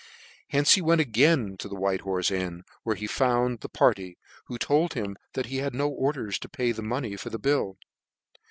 Hence he went again to the White Horfe Inn, where he found the party, who told him that he had no orders to pay the money for the bill.